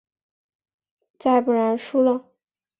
再不然输了？